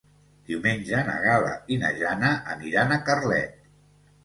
Diumenge na Gal·la i na Jana aniran a Carlet.